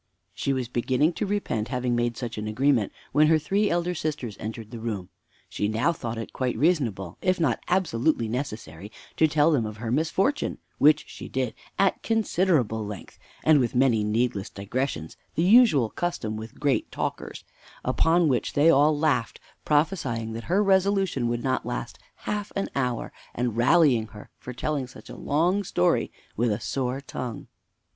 She was beginning to repent having made such an agreement, when her three elder sisters entered the room. She now thought it quite reasonable, if not absolutely necessary, to tell them of her misfortune; which she did at considerable length, and with many needless digressions (the usual custom with great talkers); upon which they all laughed, prophesying that her resolution would not last half an hour, and rallying her for telling such a long story with a sore tongue.